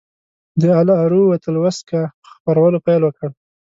د العروة الوثقی په خپرولو پیل وکړ.